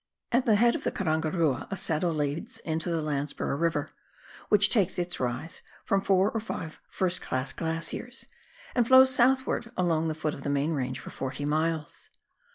At the head of the Karangarua a saddle leads into the Landsborough River, which takes its rise from four or five first class glaciers, and flows southwards along the foot of the main range for 40 miles.